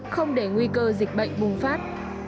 không để nguy cơ dịch bệnh bùng phát